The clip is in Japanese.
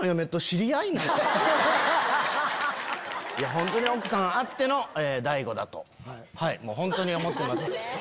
本当に奥さんあっての大悟だと本当に思ってます。